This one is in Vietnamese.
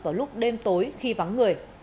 vào lúc đêm tối khi vắng người